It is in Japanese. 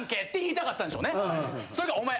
それが「お前」。